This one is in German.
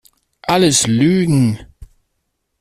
Alles Lügen!